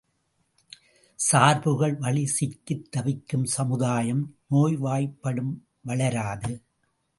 சார்புகள் வழி சிக்கித் தவிக்கும் சமுதாயம் நோய்வாய்ப்படும், வளராது.